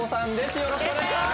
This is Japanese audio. よろしくお願いします